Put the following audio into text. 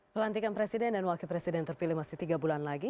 pelantikan presiden dan wakil presiden terpilih masih tiga bulan lagi